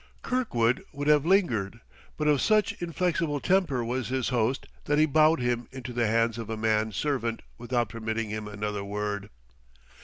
Kirkwood would have lingered, but of such inflexible temper was his host that he bowed him into the hands of a man servant without permitting him another word.